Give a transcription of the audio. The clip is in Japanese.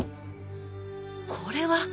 これは。